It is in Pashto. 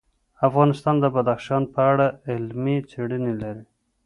افغانستان د بدخشان په اړه علمي څېړنې لري.